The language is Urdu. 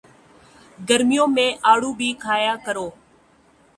گرمیوں میں آڑو بھی کھایا کرو